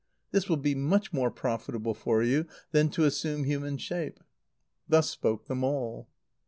This will be much more profitable for you than to assume human shape." Thus spoke the mole.